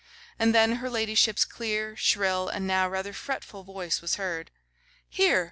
And then her ladyship's clear, shrill, and now rather fretful voice was heard. 'Here!